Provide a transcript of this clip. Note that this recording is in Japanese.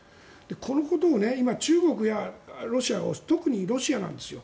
このことを今、中国やロシアは特にロシアなんですよ。